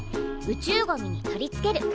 宇宙ゴミに取り付ける。